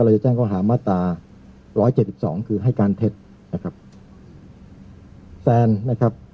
เราจะแจ้งเขาหามาตร๑๗๒คือให้การเท็จนะครับแซนนะครับ